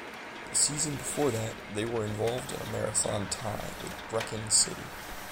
The season before that, they were involved in a marathon tie with Brechin City.